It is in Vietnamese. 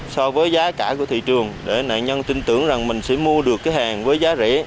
so với giá cả của thị trường để nạn nhân tin tưởng rằng mình sẽ mua được cái hàng với giá rẻ